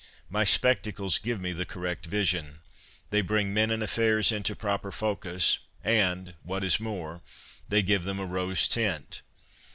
My spectacles give me the correct vision. They bring men and affairs into proper focus, and, what is more, they give them a rose tint.